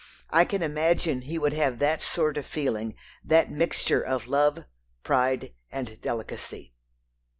I can imagine he would have that sort of feeling that mixture of love, pride, and delicacy."